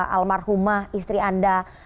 almarhumah istri anda